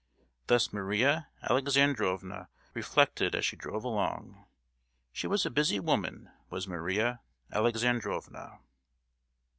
Thus Maria Alexandrovna reflected as she drove along. She was a busy woman, was Maria Alexandrovna.